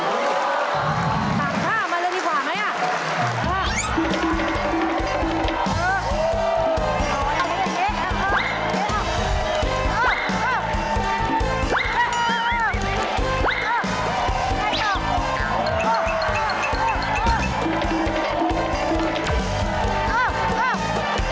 ตักผ้ามาเลยดีกว่าไหมอ่ะ